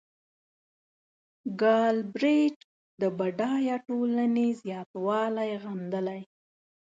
ګالبرېټ د بډایه ټولنې زیاتوالی غندلی.